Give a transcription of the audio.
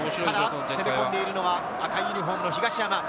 攻め込んでいるのは赤いユニホームの東山。